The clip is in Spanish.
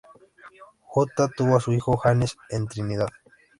Jutta tuvo a su hijo Hannes en Trinidad.